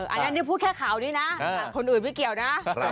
อันนี้พูดแค่ข่าวนี้นะคนอื่นไม่เกี่ยวนะ